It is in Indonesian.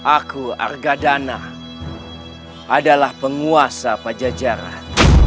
aku argadana adalah penguasa pajajaran